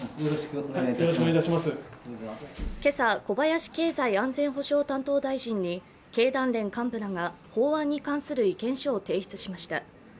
今朝、小林経済安全保障担当大臣に経団連幹部らが法案に関する意見書を提出しました。